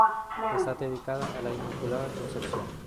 Está dedicada a la Inmaculada concepción.